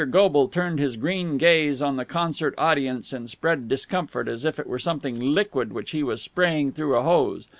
Goble turned his green gaze on the concert audience, and spread discomfort as if it were something liquid which he was spraying through a hose.